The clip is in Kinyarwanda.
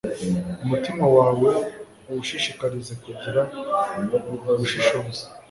umutima wawe uwushishikarize kugira ubushishozi